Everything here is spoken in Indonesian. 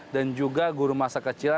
dan juga guru masa kecil